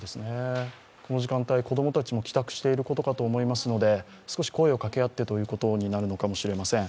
この時間帯、子供たちも帰宅していることかと思いますので、少し声をかけ合ってということになるかもしれません。